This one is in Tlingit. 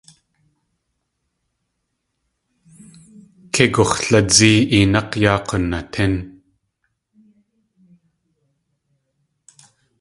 Kei gux̲ladzée inák̲ yaa k̲unatín.